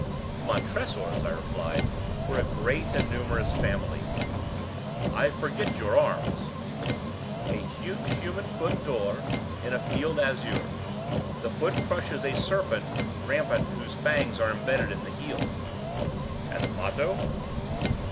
"The Montresors," I replied, "were a great and numerous family." "I forget your arms." "A huge human foot d'or, in a field azure; the foot crushes a serpent rampant whose fangs are imbedded in the heel." "And the motto?"